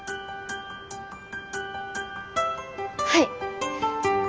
はい。